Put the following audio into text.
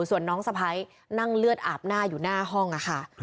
ส่วนน้องสะพ้ายนั่งเลือดอาบหน้าอยู่หน้าห้องค่ะ